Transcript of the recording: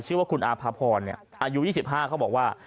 ชื่อว่าคุณอาภาพรอายุ๒๕เขาบอกว่า